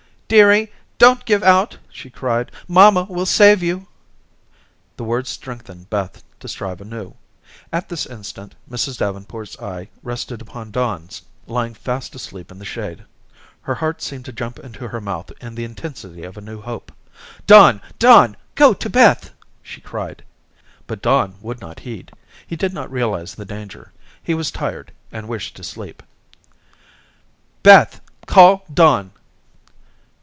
"Dearie, don't give out," she cried; "mamma will save you." The words strengthened Beth to strive anew. At this instant, Mrs. Davenport's eye rested upon Don lying fast asleep in the shade. Her heart seemed to jump into her mouth in the intensity of a new hope. "Don, Don, go to Beth," she cried. But Don would not heed. He did not realize the danger. He was tired and wished to sleep. "Beth, call Don."